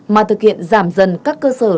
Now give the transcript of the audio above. mà thực hiện giảm dần các cơ sở